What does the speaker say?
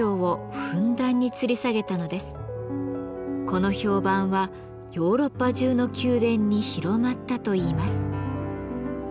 この評判はヨーロッパ中の宮殿に広まったといいます。